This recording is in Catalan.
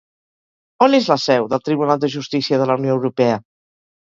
On és la seu del Tribunal de Justícia de la Unió Europea?